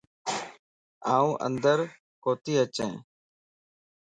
آن اندر ڪوتي اچين